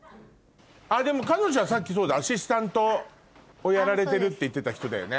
彼女はさっきそうだアシスタントをやられてるって言ってた人だよね。